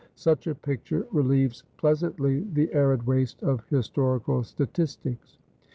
Such a picture relieves pleasantly the arid waste of historical statistics.